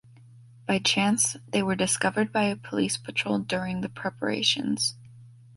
By chance, they were discovered by a police patrol during the preparations.